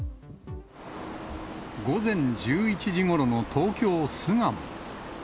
午前１１時ごろの東京・巣鴨。